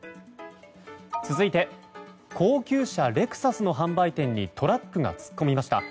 続いて高級車レクサスの販売店にトラックが突っ込みました。